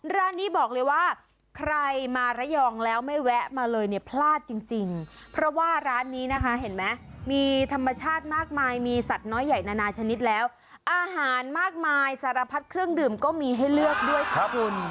ร้านนี้บอกเลยว่าใครมาระยองแล้วไม่แวะมาเลยเนี่ยพลาดจริงเพราะว่าร้านนี้นะคะเห็นไหมมีธรรมชาติมากมายมีสัตว์น้อยใหญ่นานาชนิดแล้วอาหารมากมายสารพัดเครื่องดื่มก็มีให้เลือกด้วยค่ะคุณ